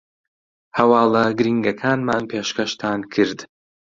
هەواڵە گرینگەکانمان پێشکەشتان کرد